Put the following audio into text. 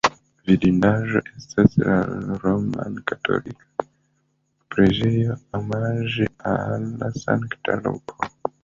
Vidindaĵo estas la romkatolika preĝejo omaĝe al Sankta Luko.